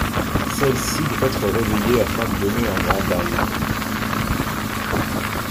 Celle-ci doit être réveillée afin de donner un grand bal.